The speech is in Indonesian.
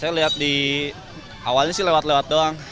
saya lihat di awalnya sih lewat lewat doang